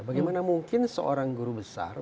bagaimana mungkin seorang guru besar